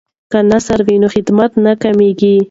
که نرس وي نو خدمت نه کمیږي.